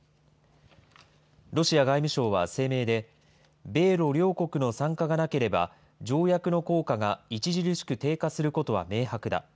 ロシア外務省は声明で、米ロ両国の参加がなければ、条約の効果が著しく低下することは明白だ。